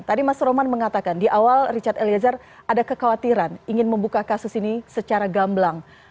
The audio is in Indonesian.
tadi mas roman mengatakan di awal richard eliezer ada kekhawatiran ingin membuka kasus ini secara gamblang